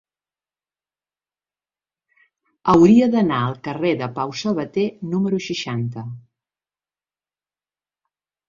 Hauria d'anar al carrer de Pau Sabater número seixanta.